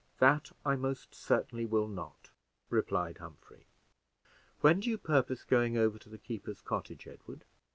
"That I most certainly will not," replied Humphrey. "When do you purpose going over to the keepers cottage, Edward?"